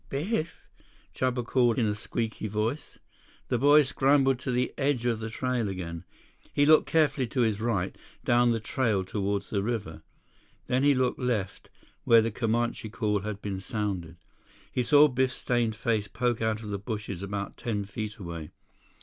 92 "Biff?" Chuba called in a squeaky voice. The boy scrambled to the edge of the trail again. He looked carefully to his right, down the trail toward the river. Then he looked left, where the Comanche call had been sounded. He saw Biff's stained face poke out of the bushes about ten feet away.